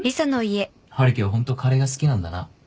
春樹はホントカレーが好きなんだな。